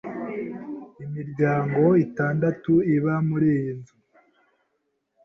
Imiryango itandatu iba muriyi nzu.